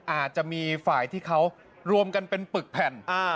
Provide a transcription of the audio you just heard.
อาจจะมีฝ่ายที่เขารวมกันเป็นปึกแผ่น